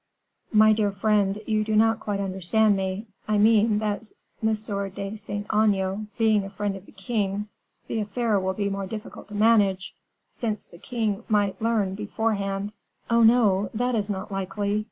"My dear friend, you do not quite understand me. I mean, that M. de Saint Aignan being a friend of the king, the affair will be more difficult to manage, since the king might learn beforehand " "Oh! no; that is not likely.